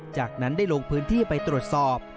จากนั้นได้ลงพื้นที่ไปตรวจสอบ